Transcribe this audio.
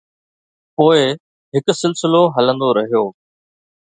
پوءِ هڪ سلسلو هلندو رهيو.